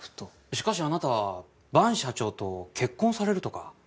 しかしあなたは伴社長と結婚されるとか。